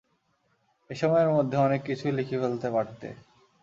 এসময়ের মধ্যে অনেক কিছুই লিখে ফেলতে পারতে।